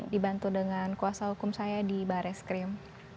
dibantu dengan kuasa hukum saya di barreskrim